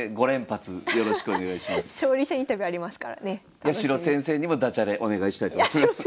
八代先生にもダジャレお願いしたいと思います。